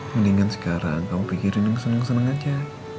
mendingan sekarang kamu pikirin seneng seneng aja